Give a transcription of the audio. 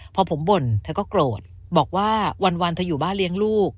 พอผมบ่นเธอก็โกรธบอกว่าวันเธออยู่บ้านเลี้ยงลูก